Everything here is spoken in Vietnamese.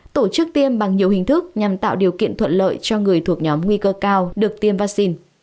tổ chức tiêm bằng nhiều hình thức nhằm tạo điều kiện thuận lợi cho người thuộc nhóm nguy cơ cao được tiêm vaccine